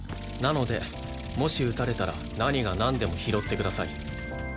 なのでもし打たれたら何がなんでも拾ってください。